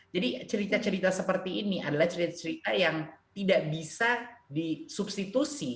jadi cerita cerita seperti ini adalah cerita cerita yang tidak bisa disubstitusi